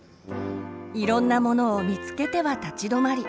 いろんなものを見つけては立ち止まり